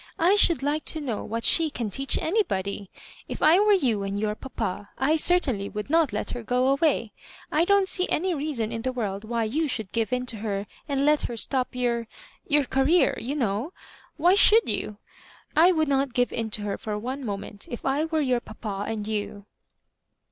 I should like to know what she can teach anybody ? If I were you and your papa, I certainly would not let her go away. I don't see any reason in the world why you should give in to her and let her stop your — ^your Career, you know — ^why should you ? I would not give in to her for one moment if I were your papa and you."